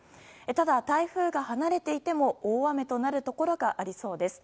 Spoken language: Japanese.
ただ、台風が離れていても大雨となるところがありそうです。